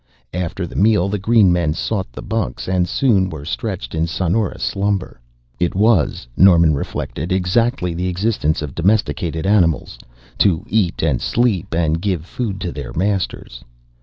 After the meal the green men sought the bunks and soon were stretched in sonorous slumber. It was, Norman reflected, exactly the existence of domesticated animals to eat and sleep and give food to their masters.